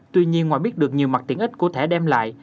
tuy nhiên ngoài biết được nhiều mặt tiện ích của thẻ đem lại